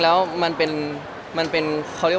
แล้วถ่ายละครมันก็๘๙เดือนอะไรอย่างนี้